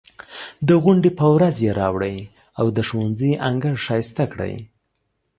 د غونډې په ورځ یې راوړئ او د ښوونځي انګړ ښایسته کړئ.